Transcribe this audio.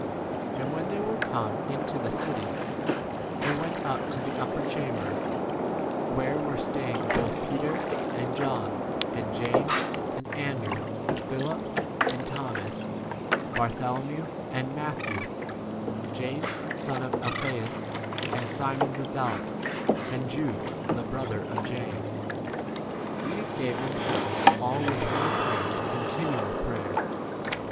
And when they were come into [the city], they went up to the upper chamber where were staying both ■ Peter, and John, and James, and Andrew, Philip and Thomas, Bar tholomew and Matthew, James son of Alphseus, and Simon the zealot, and Jude [the brother] of James. 14 These gave themselves all with one accord to continual prayer